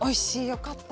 よかった。